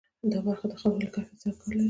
دا برخه د خاورې له کیفیت سره کار لري.